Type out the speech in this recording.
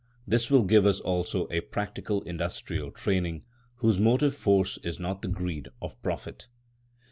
This will give us also a practical industrial training, whose motive force is not the greed of profit.